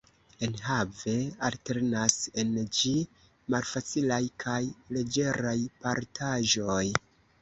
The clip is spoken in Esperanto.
Enhave, alternas en ĝi malfacilaj kaj leĝeraj partaĵoj.